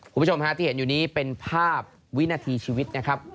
คุณผู้ชมฮะที่เห็นอยู่นี้เป็นภาพวินาทีชีวิตนะครับ